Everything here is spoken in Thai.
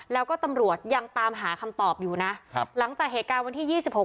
แล้วก็ตำรวจยังตามหาคำตอบอยู่นะครับหลังจากเหตุการณ์วันที่ยี่สิบหก